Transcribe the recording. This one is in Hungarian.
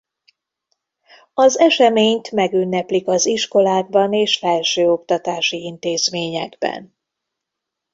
Az eseményt megünneplik az iskolákban és felsőoktatási intézményekben.